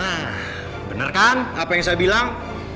nah benar kan apa yang saya bilang